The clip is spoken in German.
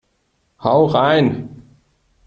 Hau rein!